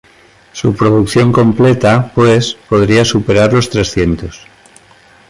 Su producción completa, pues, podría superar los trescientos.